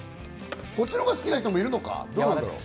こっちのほうが好きな人もいるんだろうか。